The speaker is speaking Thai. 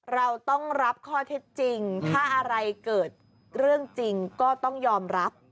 เราต้องรับข้อเท็จจริงถ้าอะไรเกิดเรื่องจริงก็ต้องยอมรับ